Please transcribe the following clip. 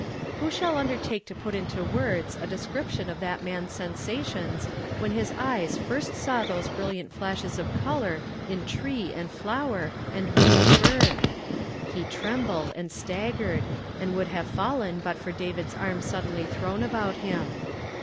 Who shall undertake to put into words a de scription of that man's sensations when his eyes lii st saw those brilliant flashes of color in tree and flower and wing of bird? He trembled and stag gered, and would have fallen but for David's arm suddenly thrown about him.